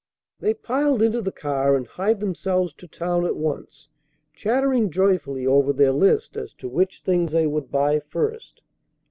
They piled into the car, and hied themselves to town at once, chattering joyfully over their list as to which things they would buy first.